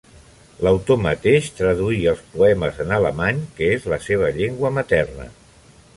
L'autor mateix traduí els poemes en alemany que és la seva llengua materna.